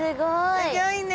すギョいね